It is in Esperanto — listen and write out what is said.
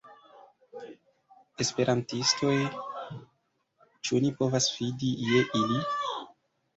Esperantistoj? Ĉu ni povas fidi je ili?